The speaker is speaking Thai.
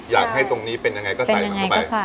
อยากให้ตรงนี้เป็นยังไงก็ใส่มันเข้าไป